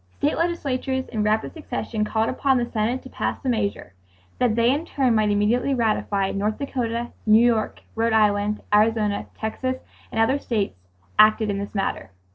State legislatures in rapid succession called upon the Senate to pass the measure, that they in turn might immediately ratify. North Dakota, New York, Rhode Island, Arizona, Texas and other states acted in this matter.